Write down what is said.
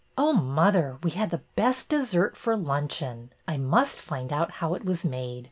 '' Oh, mother, we had the best dessert for luncheon. I must find out how it was made.